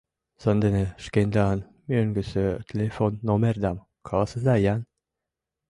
Сандене шкендан мӧҥгысӧ телефон номердам каласыза-ян.